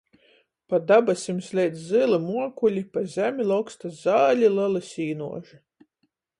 Pa dabasim sleid zyli muokuli, pa zemi loksta zali, leli sīnuoži.